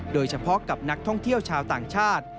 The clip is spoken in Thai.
โดยเฉพาะกับนักท่องเที่ยวชาวต่างชาติ